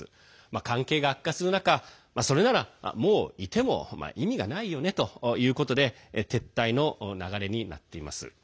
関係が悪化する中、それならもう、いても意味がないよねということで撤退の流れになっています。